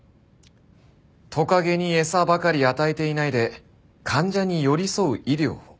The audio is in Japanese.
「トカゲに餌ばかり与えていないで患者に寄り添う医療を」